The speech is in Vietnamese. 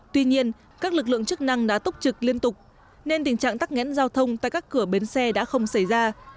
tuy nhiên các lực lượng chức năng đã túc trực liên tục nên tình trạng tắc nghẽn giao thông tại các cửa bến xe đã không xảy ra